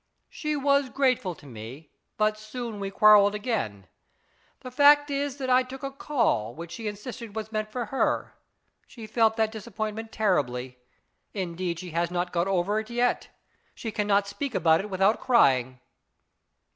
She was grateful to me, but soon we quarrelled again. The fact is that I took a ' call ' which she insisted was meant for her. She felt that disappointment terribly ; indeed, she has not got over it yet. She cannot speak about it without crying."